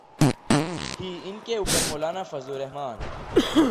ہی، ان کے اوپر مولانا فضل الرحمن۔